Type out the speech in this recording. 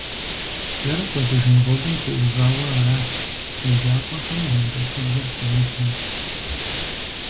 Бзэр кӀуэдыжын гъуэгум теувауэ аращ еджапӀэхэм анэдэлъхубзэр щамыджмэ.